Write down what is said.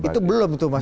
itu belum itu mas